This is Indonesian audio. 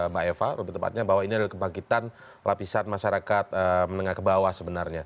mbak eva lebih tepatnya bahwa ini adalah kebangkitan lapisan masyarakat menengah ke bawah sebenarnya